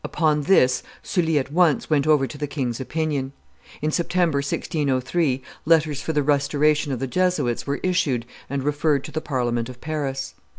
Upon this, Sully at once went over to the king's opinion. In September, 1603, letters for the restoration of the Jesuits were issued and referred to the Parliament of Paris.